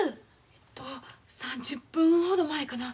えっと３０分ほど前かな。